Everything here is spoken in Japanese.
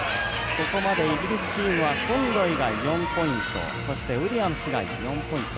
ここまでイギリスチームはコンロイが４ポイントそしてウィリアムズが４ポイント。